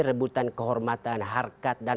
rebutan kehormatan harkat dan